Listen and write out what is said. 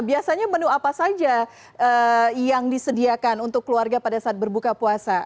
biasanya menu apa saja yang disediakan untuk keluarga pada saat berbuka puasa